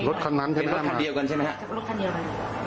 รถคันนั้นเป็นบ้านคันเดียวกันใช่ไหมฮะรถคันเดียวกัน